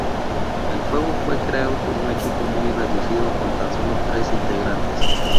El juego fue creado por un equipo muy reducido, con tan solo tres integrantes.